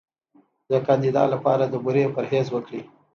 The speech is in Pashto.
د کاندیدا لپاره د بورې پرهیز وکړئ